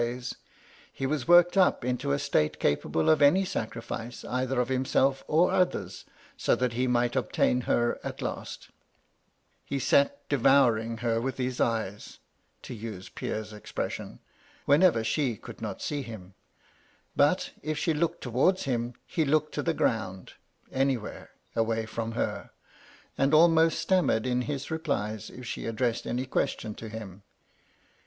159 days : he was worked up into a state capable of any sacrifice, either of himself or others, so that he might obtain her at last He sat ^ devouring her with his eyes ' (to use Pierre's expression) whenever she could not see him; but, if she looked towards him, he looked to the ground — anywhere — away from her, and almost stammered in his replies if she addressed any question to him.